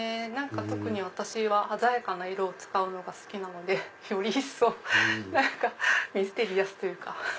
特に私は鮮やかな色を使うのが好きなのでより一層ミステリアスというか。